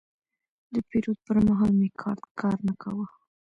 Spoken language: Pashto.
د پیرود پر مهال مې کارت کار نه کاوه.